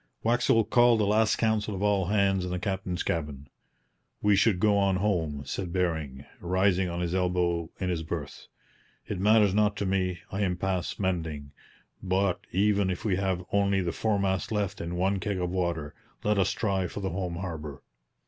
Waxel called a last council of all hands in the captain's cabin. 'We should go on home,' said Bering, rising on his elbow in his berth. 'It matters not to me. I am past mending; but even if we have only the foremast left and one keg of water, let us try for the home harbour.